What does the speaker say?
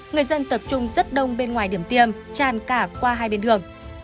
người dân tập trung rất đông bên ngoài điểm tiêm tràn cả qua hai bên đường